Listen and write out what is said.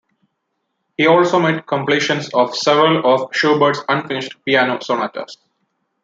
He also made completions of several of Schubert's unfinished piano sonatas.